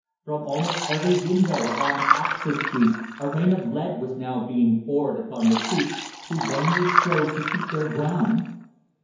From almost every window along Oxford Street a rain of lead was now being poured upon the troops, who vainly strove to keep their ground.